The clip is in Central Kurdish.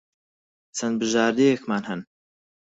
چەند بژاردەیەکمان ھەن.